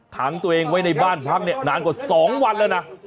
ขังตัวเองไว้ในบ้านพักเนี่ยนานกว่า๒วันแล้วนะ